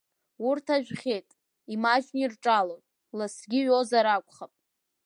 Урҭ ажәхьеит, имаҷны ирҿалоит, лассгьы иҩозар акәхап.